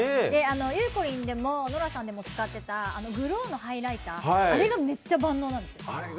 ゆうこりんでもノラさんでも使っていたハイライターあれがめっちゃ万能なんです。